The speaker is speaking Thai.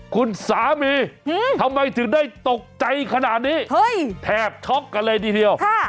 คุณสามีทำไมถึงได้ตกใจขนาดนี้แทบช็อกกันเลยทีเดียว